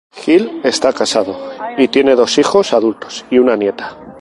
Gill está casado y tiene dos hijos adultos y una nieta.